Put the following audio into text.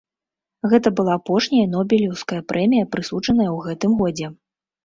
Гэта была апошняя нобелеўская прэмія, прысуджаная ў гэтым годзе.